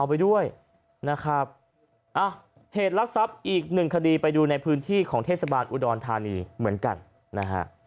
ไปด้วยนะครับอ่ะเหตุลักษัพอีกหนึ่งคดีไปดูในพื้นที่ของเทศบาลอุดรธานีเหมือนกันนะฮะ